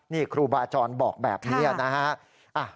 นี่ครูบาจรบอกแบบนี้นะฮะ